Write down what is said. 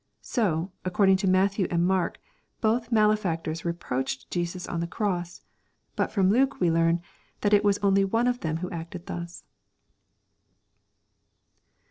So, according to Mat thew and Mark, both malefactors reproached Jesus on the cross. But from Luke we learn that it was only one of them who acted thus."